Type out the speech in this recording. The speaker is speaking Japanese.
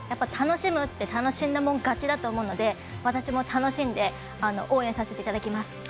楽しむって楽しんだもの勝ちだと思うので私も楽しんで応援させていただきます。